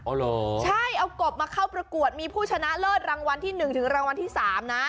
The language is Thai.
โอเหรอใช่เอากบมาเข้าประกวดมีผู้ชนะเริดรางวัลที่๑๓นะ